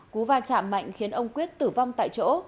cú va chạm mạnh khiến ông quyết tử vong tại chỗ